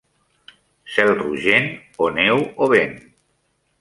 Cel rogent, o neu o vent.